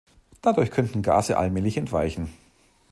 Dadurch könnten Gase allmählich entweichen.